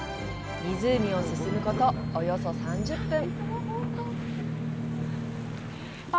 湖を進むこと、およそ３０分。